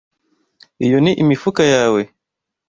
Iyo ni imifuka yawe?